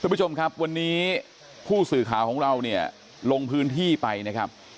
คุณผู้ชมครับวันนี้ผู้สื่อข่าวของเราเนี่ยลงพื้นที่ไปนะครับ